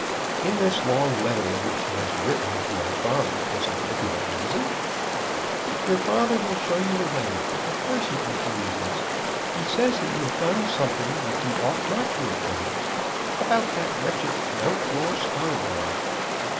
"In this long letter which he has written to my father does he give no reason?" "Your father will show you the letter. Of course he gives reasons. He says that you have done something which you ought not to have done about that wretched Mountjoy Scarborough."